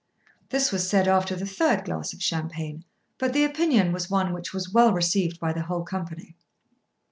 This was said after the third glass of champagne, but the opinion was one which was well received by the whole company.